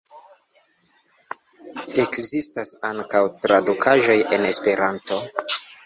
Ekzistas ankaŭ tradukaĵoj en Esperanto.